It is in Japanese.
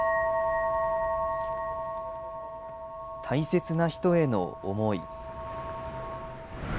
大切な人への思い。